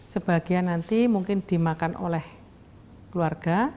sebagian nanti mungkin dimakan oleh keluarga